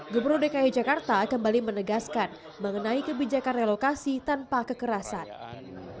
gubernur dki jakarta kembali menegaskan mengenai kebijakan relokasi tanpa kekerasan